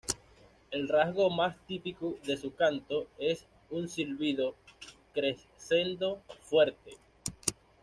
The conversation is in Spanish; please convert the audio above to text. El rasgo más típico de su canto es un silbido "crescendo" fuerte.